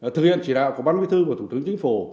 thực hiện chỉ đạo của bác nguyên thư của thủ tướng chính phủ